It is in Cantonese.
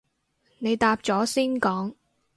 你答咗先講